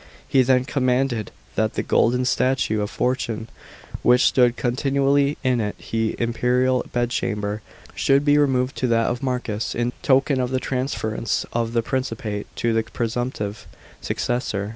He then com manded that the golden statue of Fortune, which stood continually in i he imperial bedchamber, should be removed to that of Marcus, in token of the transference of the Principate to the presumptive successor.